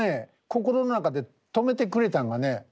心の中で止めてくれたんがね